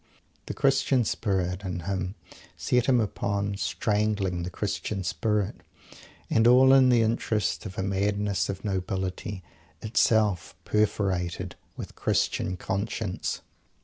The Christian spirit, in him set him upon strangling the Christian spirit and all in the interest of a madness of nobility, itself perforated with Christian conscience!